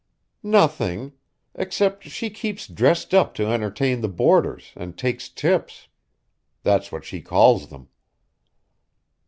"Nothing. Except she keeps dressed up to entertain the boarders, and takes tips. That's what she calls them."